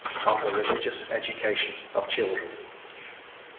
ON THE RELIGIOUS EDUCATION OF CHILDREN.